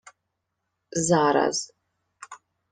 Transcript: — Зараз.